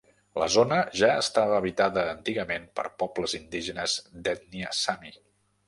La zona ja estava habitada antigament per pobles indígenes d'ètnia sami.